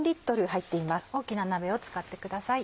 大きな鍋を使ってください。